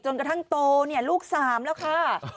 จนกระทั่งโตลูก๓แล้วค่ะ